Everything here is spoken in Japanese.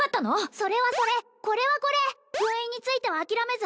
それはそれこれはこれ封印については諦めず